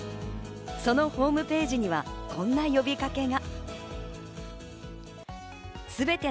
そのホームページにはこんな呼びかけが。